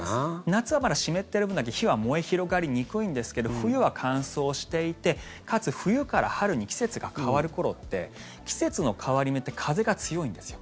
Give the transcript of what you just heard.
夏はまだ湿っている分だけ火は燃え広がりにくいんですけど冬は乾燥していてかつ冬から春に季節が変わる頃って季節の変わり目って風が強いんですよ。